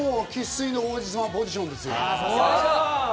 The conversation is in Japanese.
生粋の王子様ポジションですよ。